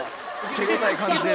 手応え感じてる。